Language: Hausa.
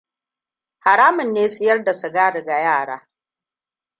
Haramun ne siyar da sigari ga yara.